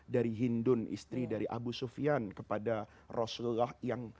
dari hindun istri dari abu sufyan kepada rasulullah yang